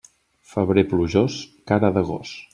Febrer plujós, cara de gos.